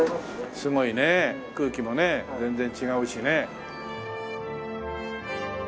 すごいね空気も全然違うしね。